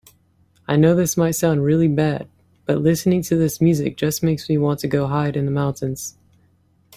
I know this might sound really bad, but listening to this music just makes me want to go hide in the mountains.